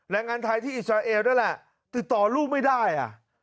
แรงงานไทยที่อิสราเอลนั่นแหละติดต่อลูกไม่ได้อ่ะ